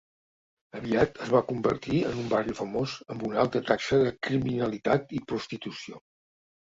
Aviat es van convertir en un barri famós, amb una alta taxa de criminalitat i prostitució.